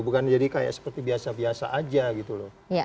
bukan jadi kayak seperti biasa biasa aja gitu loh